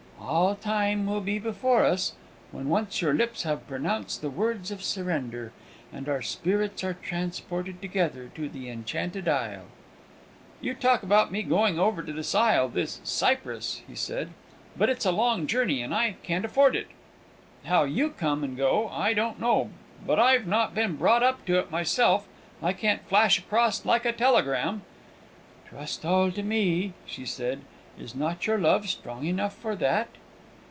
"All Time will be before us, when once your lips have pronounced the words of surrender, and our spirits are transported together to the enchanted isle." "You talk about me going over to this isle this Cyprus," he said; "but it's a long journey, and I can't afford it. How you come and go, I don't know; but I've not been brought up to it myself. I can't flash across like a telegram!" "Trust all to me," she said. "Is not your love strong enough for that?"